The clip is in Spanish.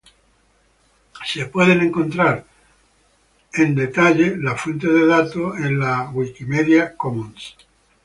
Las fuentes de datos se pueden encontrar en detalle en los Wikimedia Commons.